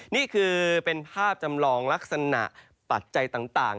นี่คือเป็นภาพจำลองลักษณะปัจจัยต่าง